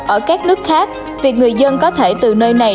ở các nước khác việc người dân có thể từ nơi này